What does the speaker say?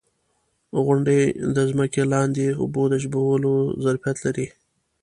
• غونډۍ د ځمکې لاندې اوبو د جذبولو ظرفیت لري.